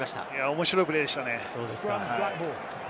面白いプレーでした。